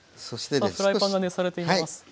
さあフライパンが熱されています。